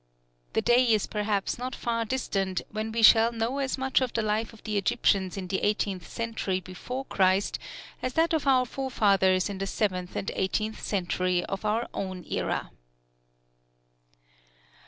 The day is perhaps not far distant when we shall know as much of the life of the Egyptians in the eighteenth century before Christ as that of our forefathers in the seventeenth and eighteenth centuries of our own era.